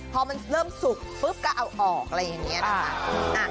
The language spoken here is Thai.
พอมันเริ่มสุกปุ๊บก็เอาออกอะไรอย่างนี้นะคะ